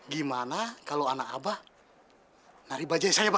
gimana kalau anak abah narik bajai saya ba